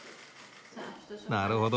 なるほど。